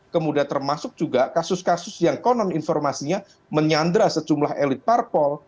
kemudian termasuk juga kasus kasus yang konon informasinya menyandra sejumlah elit parpol